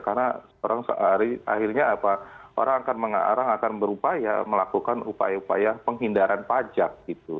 karena akhirnya orang akan berupaya melakukan upaya upaya penghindaran pajak